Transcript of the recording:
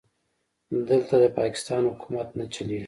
دلته د پاکستان حکومت نه چلېږي.